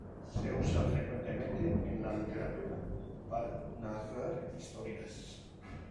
Se usa frecuentemente en la literatura para narrar historias.